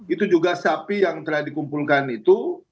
itu juga sapi yang telah dikumpulkan itu